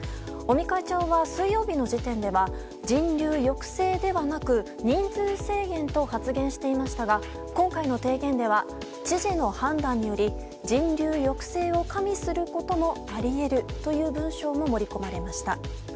尾身会長は水曜日の時点では人流抑制ではなく人数制限と発言していましたが今回の提言では知事の判断により人流抑制を加味することもあり得るという文章も盛り込まれました。